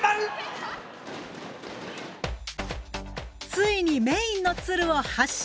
ついにメインの鶴を発射！